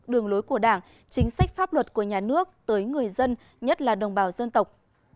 đường lối của đảng chính sách pháp luật của nhà nước tới người dân nhất là đồng bào dân tộc